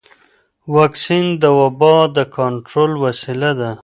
واکسن د وبا د کنټرول وسیله ده.